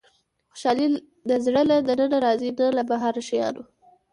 • خوشالي د زړه له دننه راځي، نه له بهرني شیانو.